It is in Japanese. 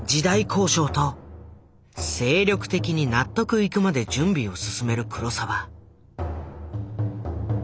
考証と精力的に納得いくまで準備を進める黒澤。